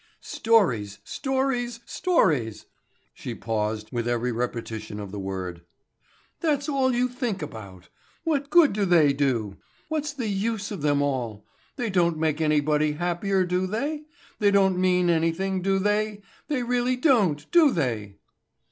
"Stories, stories, stories,"—she paused with every repetition of the word—"that's all you think about. What good do they do? What's the use of them all? They don't make anybody happier, do they? They don't mean anything, do they? They really don't, do they?"